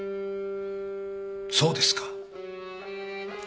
そうですか。